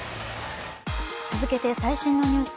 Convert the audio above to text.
続けて最新のニュース。